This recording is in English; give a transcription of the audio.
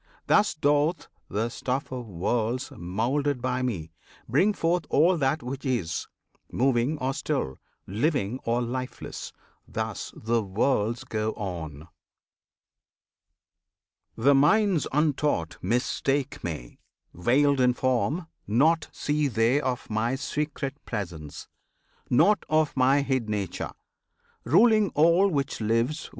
Thus doth the stuff of worlds, moulded by Me, Bring forth all that which is, moving or still, Living or lifeless! Thus the worlds go on! The minds untaught mistake Me, veiled in form; Naught see they of My secret Presence, nought Of My hid Nature, ruling all which lives.